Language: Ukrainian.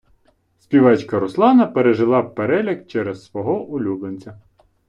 Співачка Руслана пережила переляк через свого улюбленця.